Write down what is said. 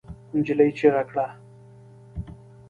نجلۍ چیغه کړه.